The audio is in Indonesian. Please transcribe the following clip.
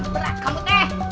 berat kamu teh